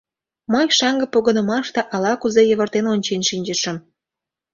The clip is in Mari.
Мый шаҥге погынымаште ала-кузе йывыртен ончен шинчышым.